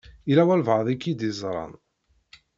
Yella walebɛaḍ i k-id-yeẓṛan.